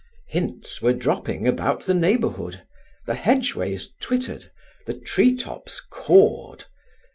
Hints were dropping about the neighbourhood; the hedgeways twittered, the tree tops cawed.